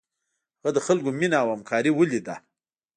هغه د خلکو مینه او همکاري ولیده.